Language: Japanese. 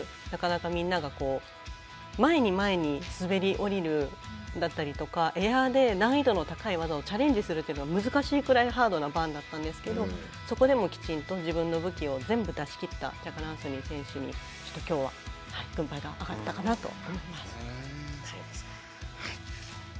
なかなかみんながこう前に前に滑りおりるだったりとかエアで難易度の高い技をチャレンジするというのが難しいくらいハードなバーンだったんですけどそこでもきちんと自分の武器をすべて出し切ったジャカラ・アンソニー選手に軍配が上がったと思います。